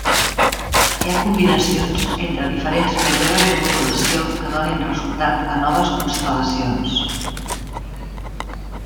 Hi ha combinacions entre diferents mètodes de modulació que donin resultat a noves constel·lacions.